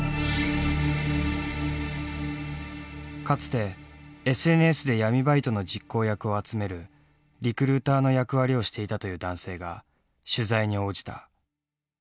かつてＳＮＳで闇バイトの実行役を集めるリクルーターの役割をしていたという男性が取材に応じた。